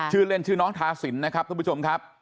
ชื่อเล่นชื่อน้องทาสินนะครับทุกผู้ชมครับ